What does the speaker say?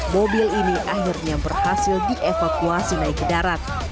mobil ini akhirnya berhasil dievakuasi naik ke darat